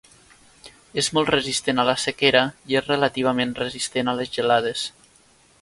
És molt resistent a la sequera i és relativament resistent a les gelades.